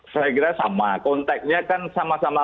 saya kira sama konteknya kan sama sama